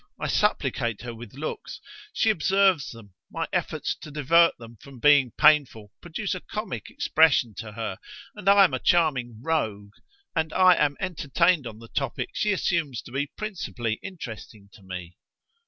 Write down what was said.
I supplicate her with looks. She observes them, my efforts to divert them from being painful produce a comic expression to her, and I am a charming 'rogue', and I am entertained on the topic she assumes to be principally interesting me.